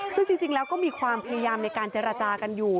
ซึ่งจริงแล้วก็มีความพยายามในการเจรจากันอยู่